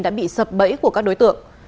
đã bị sập bẫy của các đối tượng